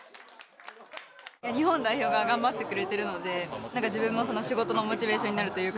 日本代表が頑張ってくれてるので、なんか自分も仕事のモチベーションになるというか。